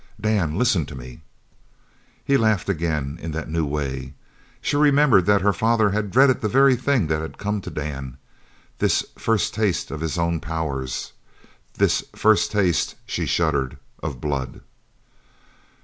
"Dan, listen to me!" He laughed again, in the new way. She remembered that her father had dreaded the very thing that had come to Dan this first taste of his own powers this first taste (she shuddered) of blood!